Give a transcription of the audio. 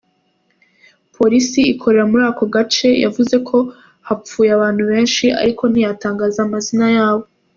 Polisi ikorera muri ako gace yavuze ko hapfuye abantu benshi, ariko ntiyatangaza amazina yabo.